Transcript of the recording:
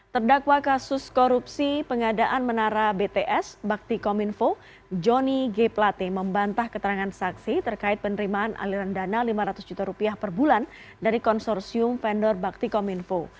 terdakwa kasus korupsi pengadaan menara bts bakti kominfo joni g plate membantah keterangan saksi terkait penerimaan aliran dana lima ratus juta rupiah per bulan dari konsorsium vendor bakti kominfo